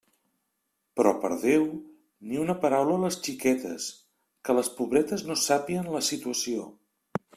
Però, per Déu!, ni una paraula a les xiquetes; que les pobretes no sàpien la situació.